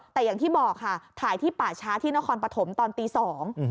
แต่อย่างที่บอกค่ะถ่ายที่ป่าช้าที่นครปฐมตอนตีสอง